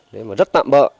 đấy mà rất tạm bỡ